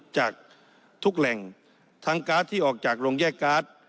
จากทุกแหล่งทั้งการ์ดที่ออกจากโรงแยกการ์ด